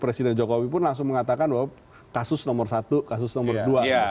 presiden jokowi pun langsung mengatakan bahwa kasus nomor satu kasus nomor dua